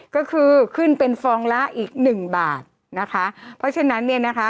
ก็คือขึ้นเป็นฟองละอีกหนึ่งบาทนะคะเพราะฉะนั้นเนี่ยนะคะ